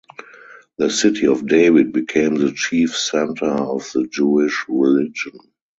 The city of David became the chief center of the Jewish religion.